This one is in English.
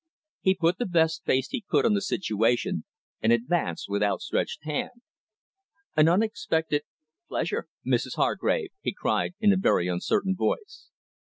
He put the best face he could on the situation, and advanced with outstretched hand. "An unexpected pleasure, Mrs Hargrave," he cried in a very uncertain voice.